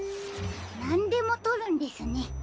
なんでもとるんですね。